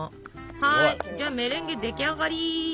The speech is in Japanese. はいメレンゲ出来上がり。